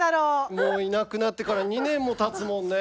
もういなくなってから２年もたつもんね。